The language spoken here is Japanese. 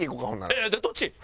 いやいやどっち？